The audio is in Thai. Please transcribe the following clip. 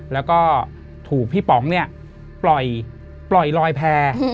แล้วก็ถูกพี่ป๋องเนี่ยปล่อยลอยแพร่